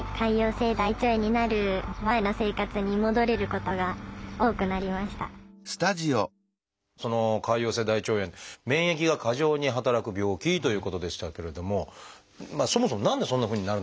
２つの薬で治療した結果は潰瘍性大腸炎免疫が過剰に働く病気ということでしたけれどもそもそも何でそんなふうになるのかってことなんですが。